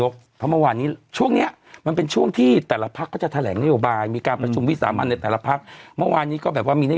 ก็จะเป็นวันเศรษฐกิจแห่งชาติจะมาอีกแล้ว